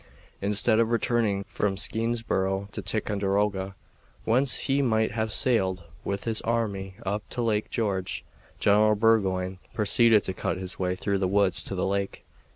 Instead of returning from Skenesborough to Ticonderoga, whence he might have sailed with his army up to Lake George, General Burgoyne proceeded to cut his way through the woods to the lake.